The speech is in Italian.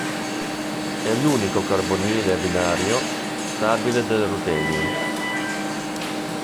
È l'unico carbonile binario stabile del rutenio.